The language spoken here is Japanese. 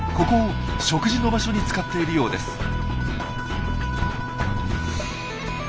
ここを食事の場所に使っているようです。